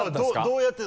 どうやって？